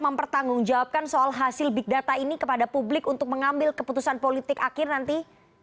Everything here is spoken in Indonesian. mempertanggungjawabkan soal hasil big data ini kepada publik untuk mengambil keputusan politik akhir nanti